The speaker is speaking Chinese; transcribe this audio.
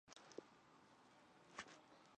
这导致了马竞获得来季欧洲杯的参赛资格。